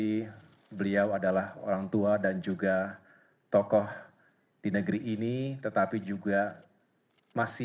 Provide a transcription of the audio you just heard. teman teman mengingat bapak sby kendhati beliau adalah orang tua dan juga tokoh di negeri ini sehingga ini menjadi kebijaksanaan oleh anggota ketua umum golkar bapak erlangga hartarto